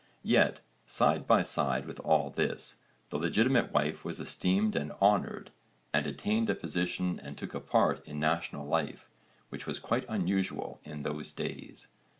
Yet, side by side with all this, the legitimate wife was esteemed and honoured, and attained a position and took a part in national life which was quite unusual in those days.